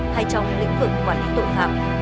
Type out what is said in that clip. hay trong lĩnh vực quản lý tội phạm